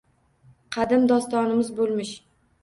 Qadim dostonimiz bo‘lmish